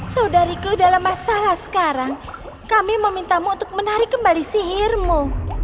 saudariku dalam masalah sekarang kami memintamu untuk menarik kembali sihirmu